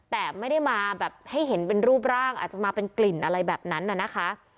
แต่ไม่ได้มาแบบให้เห็นเป็นรูปร่างอาจจะมาเป็นกลิ่นอะไรแบบนั้นน่ะนะคะ